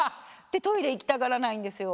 でトイレいきたがらないんですよ。